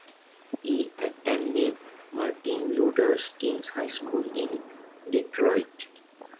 He attended Martin Luther King High School in Detroit.